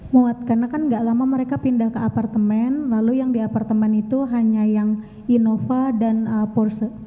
muat karena kan gak lama mereka pindah ke apartemen lalu yang di apartemen itu hanya yang inova dan porse